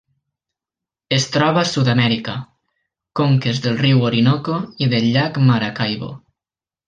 Es troba a Sud-amèrica: conques del riu Orinoco i del llac Maracaibo.